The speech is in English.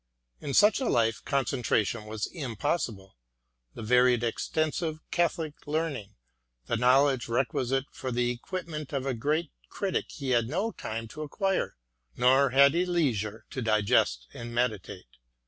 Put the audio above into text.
In such a life concentration was impossible : the varied extensive catholic learning and knowledge re quisite for the equipment of a great critic he had no time to acquire, nor had he leisure to digest and meditate.